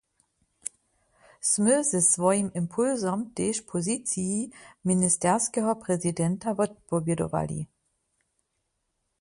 Smy ze swojim impulsom tež poziciji ministerskeho prezidenta wotpowědowali.